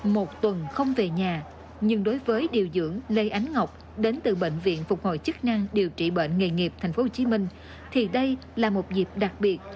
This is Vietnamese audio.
một tuần không về nhà nhưng đối với điều dưỡng lê ánh ngọc đến từ bệnh viện phục hồi chức năng điều trị bệnh nghề nghiệp tp hcm thì đây là một dịp đặc biệt